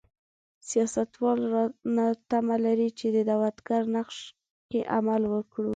سیاستوال رانه تمه لري چې دعوتګرو نقش کې عمل وکړو.